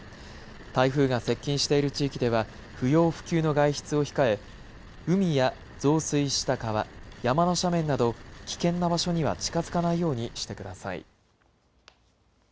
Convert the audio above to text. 台風が接近している地域では不要不急の外出を控え海や増水した川、山の斜面など危険な場所には近づかないようにしてください。